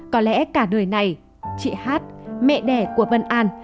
có lẽ cả đời này chị hát mẹ đẻ của vân an